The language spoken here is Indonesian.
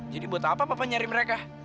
jadi buat apa papa nyari mereka